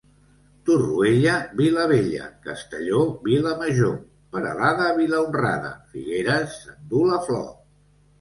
Torroella vila vella; Castelló, vila major; Peralada, vila honrada, Figueres s'endú la flor.